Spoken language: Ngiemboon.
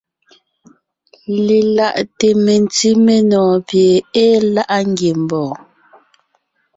Lelaʼte mentí menɔ̀ɔn pie ée láʼa ngiembɔɔn.